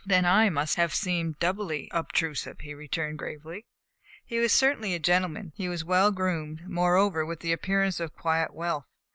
"Then I must have seemed doubly obtrusive," he returned gravely. He was certainly a gentleman. He was well groomed, moreover, with the appearance of quiet wealth.